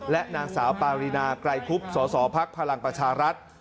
และนางสาวปารีนาไกรคุบสสพลังประชารัฐ